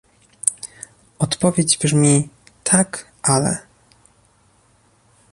Odpowiedź brzmi "tak, ale"